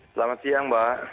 selamat siang mbak